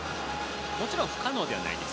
もちろん不可能ではないです。